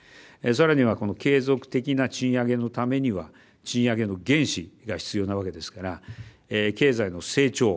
さらにはこの継続的な賃上げのためには賃上げの原資が必要なわけですから経済の成長